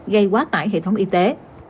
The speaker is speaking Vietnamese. gây quá tải hệ thống y tế